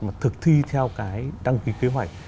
mà thực thi theo cái đăng ký kế hoạch